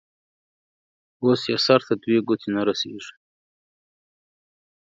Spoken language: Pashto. اوس يې سر ته دوې گوتي نه رسېږي.